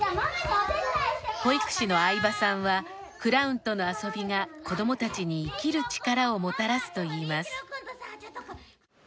保育士の饗庭さんはクラウンとの遊びが子どもたちに生きる力をもたらすといいます。